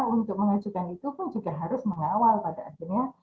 untuk mengajukan itu pun juga harus mengawal pada akhirnya